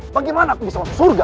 bagaimana aku bisa masuk surga